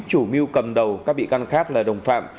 chủ mưu cầm đầu các bị can khác là đồng phạm